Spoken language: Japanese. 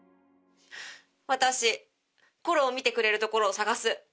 私コロを見てくれる所を探す。